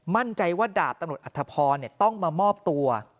มั่นใจว่าดาบตะโรดอัทธพรเนี่ยต้องมามอบตัว